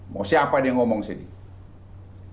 mau siapa dia ngomong sini